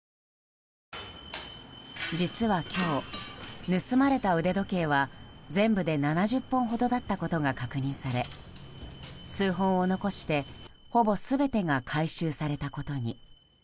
実は今日、盗まれた腕時計は全部で７０本ほどだったことが確認され数本を残してほぼ全てが回収されたことに。